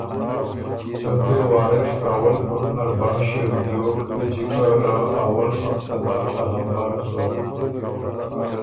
چونکې وارث اول ګروپ نر بنډ ݭیوک بیوک جکه ره اول هفته نر ا لمبر زوک۔